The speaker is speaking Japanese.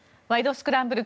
スクランブル」